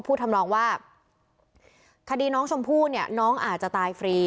ทำนองว่าคดีน้องชมพู่เนี่ยน้องอาจจะตายฟรี